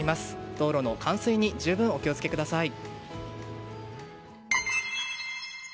道路の冠水に十分お気をつけください。